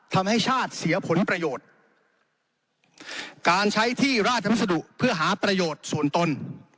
ทำให้ชาติเสียผลประโยชน์การใช้ที่ราชพัสดุเพื่อหาประโยชน์ส่วนตน